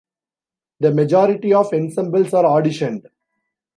The majority of ensembles are auditioned.